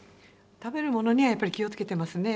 食べるものには気をつけてますね。